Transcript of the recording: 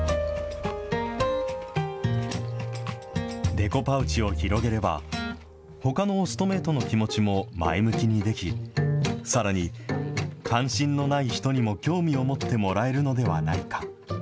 デコパウチを広げれば、ほかのオストメイトの気持ちも前向きにでき、さらに、関心のない人にも興味を持ってもらえるのではないか。